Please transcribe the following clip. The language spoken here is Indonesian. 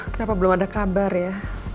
kenapa belum ada kabar ya